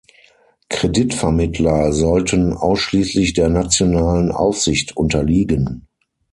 Kreditvermittler sollten ausschließlich der nationalen Aufsicht unterliegen.